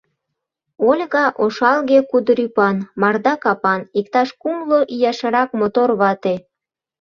Ольга ошалге кудыр ӱпан, марда капан иктаж кумло ияшрак мотор вате.